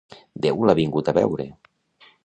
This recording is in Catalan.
Déu l'ha vingut a veure!